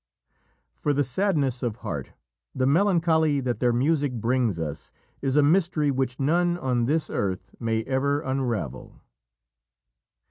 _" For the sadness of heart, the melancholy that their music brings us is a mystery which none on this earth may ever unravel.